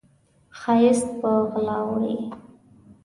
ښایست په غلا وړي